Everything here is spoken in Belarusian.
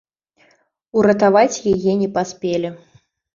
Уратаваць яе не паспелі.